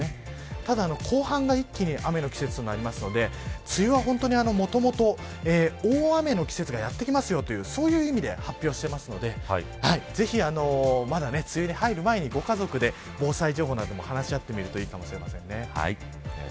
ただ、後半が一気に雨の季節になりますので梅雨は本当に、もともと大雨の季節がやってきますよという意味で発表していますのでぜひ、梅雨に入る前に、ご家族で防災情報なども話し合ってみるといいかもしれません。